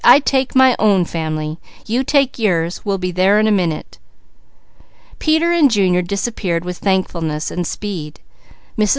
"I take my own family. You take yours. We'll be there in a minute." Peter and Junior disappeared with thankfulness and speed. Mrs.